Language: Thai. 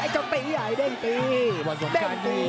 ไอ้เจ้าตีใหญ่เด้งตีเด้งตี